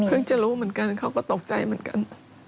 จะรู้เหมือนกันเขาก็ตกใจเหมือนกัน